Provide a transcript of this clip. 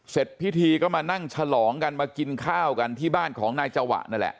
เสร็จพิธีก็มานั่งฉลองกันมากินข้าวกันที่บ้านของนายจวะนั่นแหละ